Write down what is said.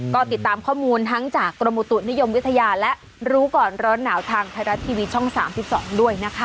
ก็ติดตามข้อมูลทั้งจากกรมอุตุนิยมวิทยาและรู้ก่อนร้อนหนาวทางไทยรัฐทีวีช่อง๓๒ด้วยนะคะ